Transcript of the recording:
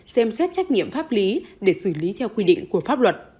xem xét trách nhiệm pháp lý để xử lý theo quy định của pháp luật